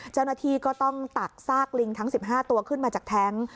เจ้าหน้าที่ก็ต้องตักซากลิงทั้ง๑๕ตัวขึ้นมาจากแท้ง